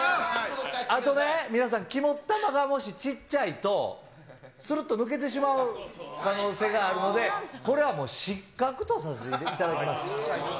あとね、皆さん、肝っ玉がもしちっちゃいと、するっと抜けてしまう可能性があるので、これはもう失格とさせていただきます。